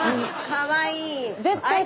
かわいい！